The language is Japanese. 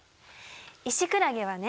イシクラゲはね